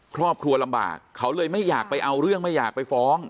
ครอบครัวลำบากเขาเลยไม่อยากไปเอาเรื่องไม่อยากไปฟ้อง